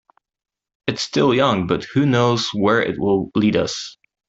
It's still young, but who knows where it will lead us.